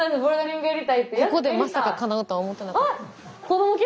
ここでまさかかなうとは思ってなかった。